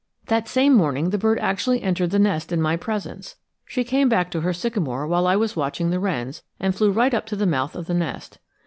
" That same morning the bird actually entered the nest in my presence. She came back to her sycamore while I was watching the wrens, and flew right up to the mouth of the nest.